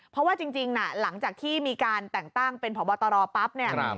เพราะว่าจริงหลังจากที่มีการแต่งตั้งเป็นพบตรปั๊บเนี่ย